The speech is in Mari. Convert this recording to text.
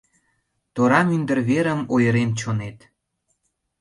Тора-мӱндыр верым ойырен чонет.